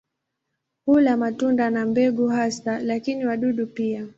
Hula matunda na mbegu hasa, lakini wadudu pia.